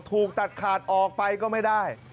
ถูกตัดขาดออกไปก็ไม่ได้